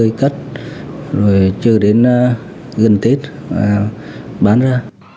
rồi cắt rồi chưa đến gần tết bán ra